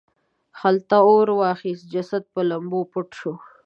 خلته اور واخیست جسد په لمبو پټ شو.